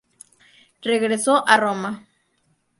Regresó a Roma.